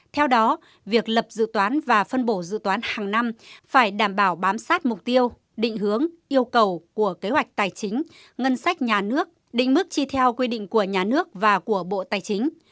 theo đó việc lập dự toán và phân bổ dự toán hàng năm phải đảm bảo bám sát mục tiêu định hướng yêu cầu của kế hoạch tài chính ngân sách nhà nước định mức chi theo quy định của nhà nước và của bộ tài chính